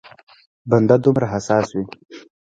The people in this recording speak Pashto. بنده دومره حساس وي.